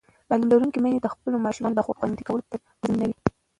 تعلیم لرونکې میندې د ماشومانو د خوراک خوندي کول تضمینوي.